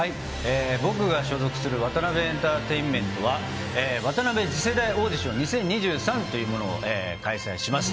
僕が所属するワタナベエンターテインメントは、ワタナベ次世代オーディション２０２３というものを開催します。